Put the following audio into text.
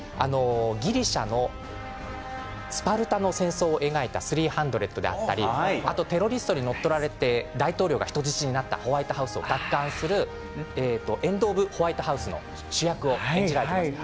ギリシャのスパルタの戦争を描いた「３００スリーハンドレッド」だったりテロリストに乗っ取られ大統領が人質になったホワイトハウスを奪還する「エンド・オブ・ホワイトハウス」の主役をされています。